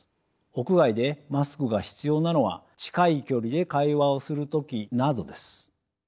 屋外でマスクが必要なのは近い距離で会話をする時などです。